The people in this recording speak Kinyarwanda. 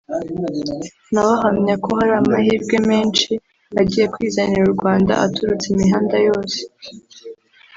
nawe ahamya ko hari amahirwe menshi agiye kwizanira u Rwanda aturutse imihanda yose